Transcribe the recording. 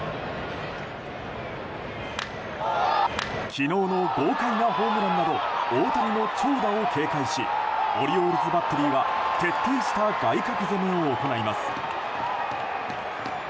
昨日の豪快なホームランなど大谷の長打を警戒しオリオールズバッテリーは徹底した外角攻めを行います。